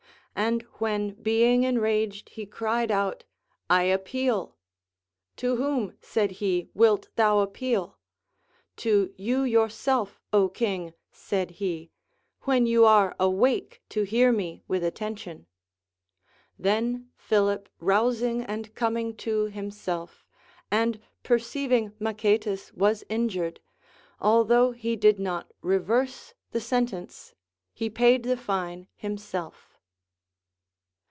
And when being enraged he cried out, I appeal ; To whom, said he, wilt thou appeal 1 To you yourself, Ο king, said he, when you are awake to hear me Avith attention. Then Philip rousing and coming to him self, and perceiving Machaetas Avas injured, although he did not reverse the sentence, he paid the fine himself.